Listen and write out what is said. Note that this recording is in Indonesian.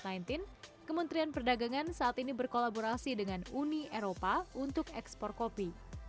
pemerintah dan pemerintah perdagangan saat ini berkolaborasi dengan uni eropa untuk ekspor kopi